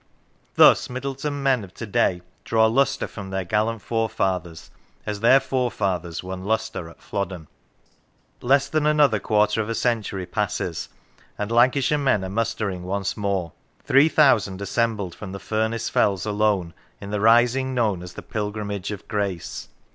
Thus Middleton men of to day draw lustre from their gallant forefathers, as their forefathers won lustre at Flodden. Less than another quarter of a century passes, and Lancashire men are mustering once more. Three thousand assembled from the Furness fells alone in the rising known as the Pilgrimage of Grace.